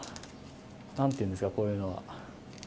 なんて言うんですか、こういうのは。